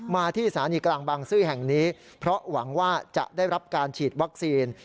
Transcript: มาที่สถานีกลางบางซื่อแห่งนี้เพราะหวังว่าจะได้รับการฉีดวัคซีน